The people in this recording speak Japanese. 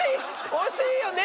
惜しいよね。